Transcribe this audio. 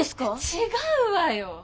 違うわよ。